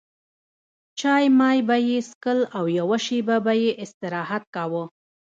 چای مای به یې څښل او یوه شېبه به یې استراحت کاوه.